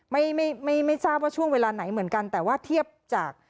ไม่ไม่ทราบว่าช่วงเวลาไหนเหมือนกันแต่ว่าเทียบจาก